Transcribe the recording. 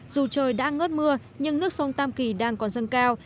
dù trời đã ngớt mưa nhưng nước sông tam kỳ đang còn dâng cao